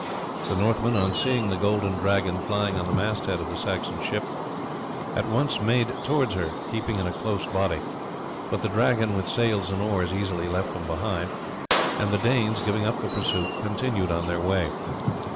The Northmen, on seeing the golden dragon flying at the mast head of the Saxon ship, at once made towards her, keeping in a close body; but the Dragon with sails and oars easily left them behind, and the Danes giving up the pursuit continued on their way.